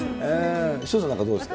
潮田さんなんかどうですか？